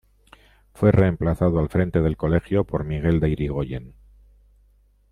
Fue reemplazado al frente del Colegio por Miguel de Irigoyen.